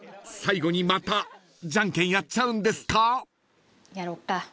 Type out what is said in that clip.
［最後にまたじゃんけんやっちゃうんですか？］